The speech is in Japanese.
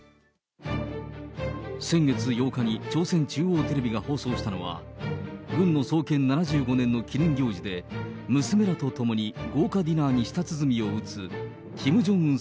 先月８日に朝鮮中央テレビが放送したのは、軍の創建７５年の記念行事で、娘らと共に豪華ディナーに舌鼓を打つキム・ジョンウン